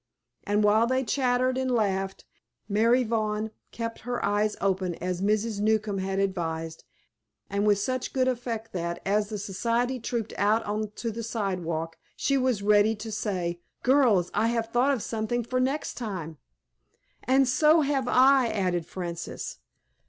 And while they chattered and laughed, Mary Vaughn kept her eyes open as Mrs. Newcombe had advised, and with such good effect that, as the society trooped out on to the sidewalk, she was ready to say, "Girls, I have thought of something for next time." "And so have I," added Frances.